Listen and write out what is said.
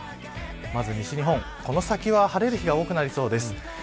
まず西日本、この先は晴れる日が多くなりそうです。